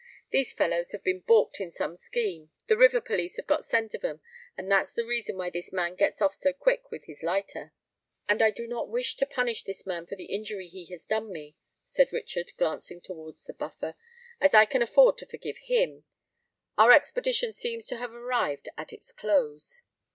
"These fellows have been baulked in some scheme—the river police have got scent of 'em—and that's the reason why this man gets off so quick with his lighter." "And as I do not wish to punish this man for the injury he has done me," said Richard, glancing towards the Buffer,—"as I can afford to forgive him,—our expedition seems to have arrived at its close."